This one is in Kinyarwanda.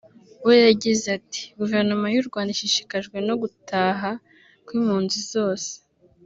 we yagize ati “Guverinoma y’u Rwanda ishishikajwe no gutaha kw’impunzi zose